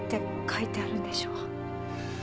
書いてあるんでしょう？